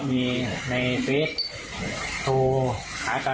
มีในเฟสโทรหากัน